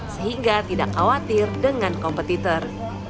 sehingga tidak khawatir dengan kompetitor